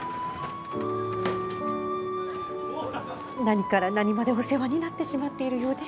何から何までお世話になってしまっているようで。